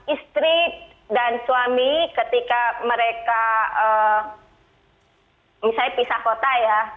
istri dan suami ketika mereka misalnya pisah kota ya